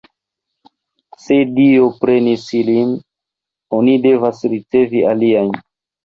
Se Dio prenis ilin, oni devas ricevi aliajn.